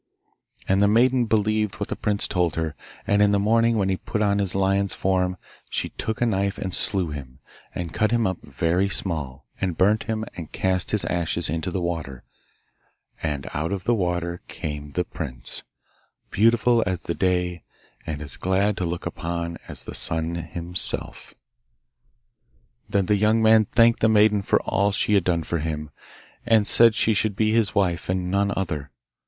And the maiden believed what the prince told her; and in the morning when he put on his lion's form she took a knife and slew him, and cut him up very small, and burnt him, and cast his ashes into the water, and out of the water came the prince, beautiful as the day, and as glad to look upon as the sun himself. Then the young man thanked the maiden for all she had done for him, and said she should be his wife and none other.